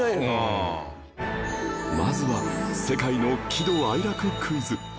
まずは世界の喜怒哀楽クイズ